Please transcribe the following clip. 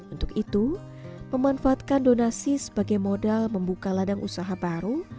untuk itu memanfaatkan donasi sebagai modal membuka ladang usaha baru